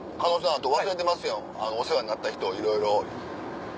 あと忘れてますよお世話になった人いろいろ。